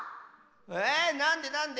えなんでなんで？